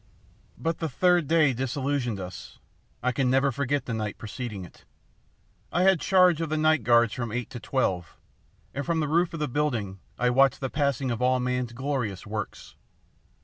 "But the third day disillusioned us. I can never forget the night preceding it. I had charge of the night guards from eight to twelve, and from the roof of the building I watched the passing of all man's glorious works.